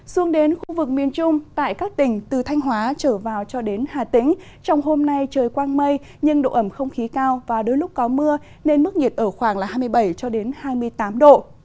xuống đến khu vực miền trung tại các tỉnh từ thanh hóa trở vào cho đến hà tĩnh trong hôm nay trời quang mây nhưng độ ẩm không khí cao và đôi lúc có mưa nên mức nhiệt ở khoảng hai mươi bảy hai mươi tám độ